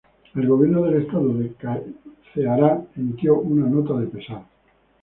El gobierno del estado de Ceará emitió una nota de pesar.